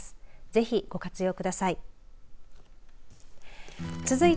ぜひご活用ください。